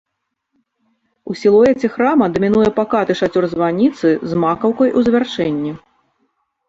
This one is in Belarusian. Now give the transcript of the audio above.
У сілуэце храма дамінуе пакаты шацёр званіцы з макаўкай у завяршэнні.